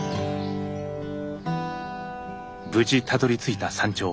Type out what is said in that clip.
無事たどりついた山頂。